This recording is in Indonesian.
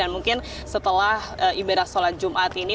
dan mungkin setelah ibadah sholat jumat ini